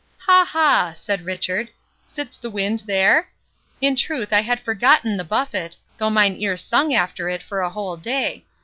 "Ha! ha!" said Richard, "sits the wind there?—In truth I had forgotten the buffet, though mine ear sung after it for a whole day.